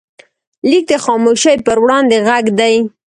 لیک د خاموشۍ پر وړاندې غږ دی.